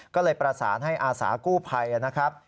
ก็เลยประสานให้อาสากู้ภัยนะครับ